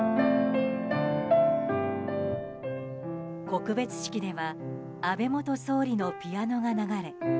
告別式では安倍元総理のピアノが流れ